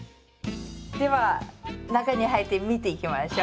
では中に入って見ていきましょう。